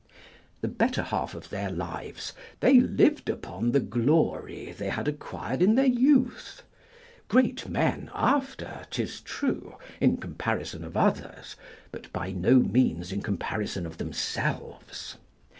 The better half of their lives they lived upon the glory they had acquired in their youth; great men after, 'tis true, in comparison of others; but by no means in comparison of themselves.